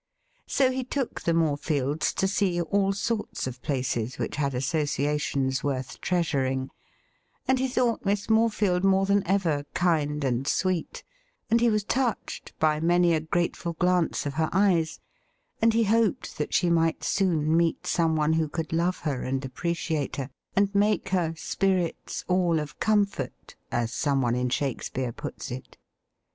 So he took the Morefields to see all sorts of places which had associations worth treasxuring, and he thought Miss Morefield more than ever kind and sweet, and he was touched by many a grateful glance of her eyes, and he hoped that she might soon meet someone who could love her and appreciate her, and make her ' spirits all of com fort,' as someone in Shakespeare puts it.